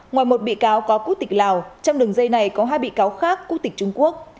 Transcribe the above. ngoài một bị cáo có quốc tịch lào trong đường dây này có hai bị cáo khác quốc tịch trung quốc